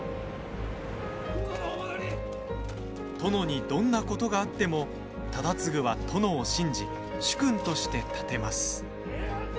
殿にどんなことがあっても忠次は殿を信じ主君として立てます。